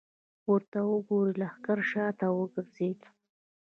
ورته وګورئ! لښکر شاته وګرځېد.